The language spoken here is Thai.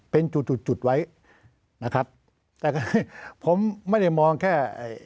เป็นจุดไว้นะครับแต่ผมไม่ได้มองแค่